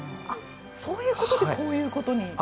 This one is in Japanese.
そういうことでこういうことに。